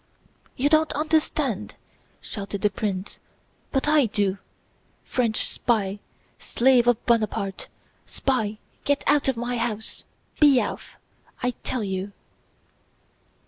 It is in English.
"You don't understand?" shouted the prince, "but I do! French spy, slave of Buonaparte, spy, get out of my house! Be off, I tell you..."